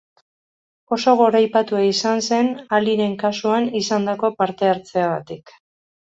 Oso goraipatua izan zen Aliren kasuan izandako parte-hartzeagatik.